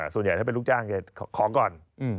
ส่วนใหญ่ถ้าเป็นลูกจ้างจะของก่อน